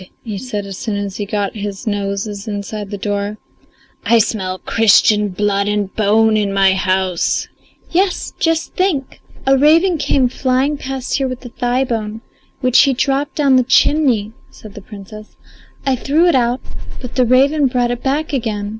he said as soon as he got his noses inside the door. "I smell Christian blood and bone in my house." "Yes, just think! A raven came flying past here with a thigh bone, which he dropped down the chimney," said the Princess. "I threw it out, but the raven brought it back again.